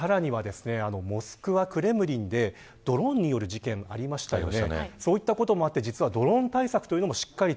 さらにはモスクワ、クレムリンでドローンによる事件ありましたよね。